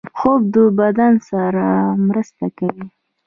خوب د بدن سره مرسته کوي